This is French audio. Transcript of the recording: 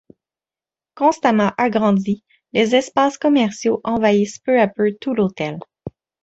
Constamment agrandis, les espaces commerciaux envahissent peu à peu tout l'hôtel.